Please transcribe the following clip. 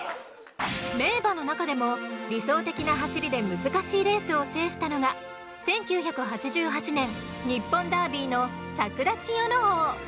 名馬の中でも理想的な走りで難しいレースを制したのが１９８８年日本ダービーのサクラチヨノオー。